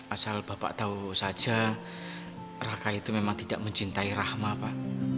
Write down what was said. asal bapak tahu saja raka itu memang tidak mencintai rahma pak